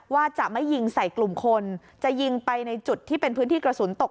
ว่าจะไม่ยิงใส่กลุ่มคนจะยิงไปในจุดที่เป็นพื้นที่กระสุนตก